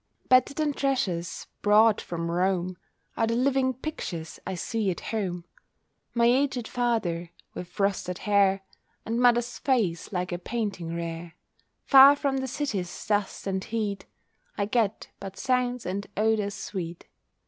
Better than treasures brought from Rome Are the living pictures I see at home— My aged father, with frosted hair, And mother's face like a painting rare Far from the city's dust and heat, I get but sounds and odours sweet.